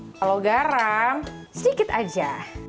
kalau garam sedikit aja